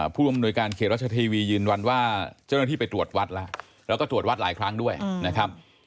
ผู้อำนวยการเขตรัชทีวียืนยันว่าเจ้าหน้าที่ไปตรวจวัดแล้วแล้วก็ตรวจวัดหลายครั้งด้วยนะครับ